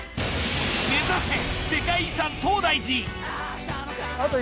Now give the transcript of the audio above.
目指せ世界遺産東大寺。